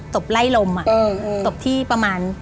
บไล่ลมตบที่ประมาณ